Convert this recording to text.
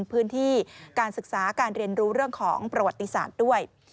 พื้นที่การศึกษาการเรียนรู้เรื่องของประวัติศาสตร์ด้วย